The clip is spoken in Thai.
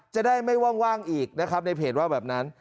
จะได้ไม่ว่างอีกนะครับในเพจว่าแบบนั้น